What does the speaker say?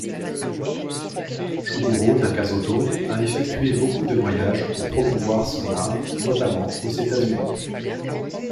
Shuguro Nakazato a effectué beaucoup de voyages pour promouvoir son art, notamment aux États-Unis.